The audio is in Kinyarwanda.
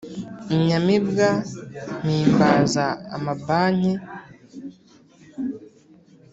inyamibwa mpimbaza amabanki,